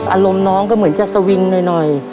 อารมณ์น้องก็เหมือนจะสวิงหน่อย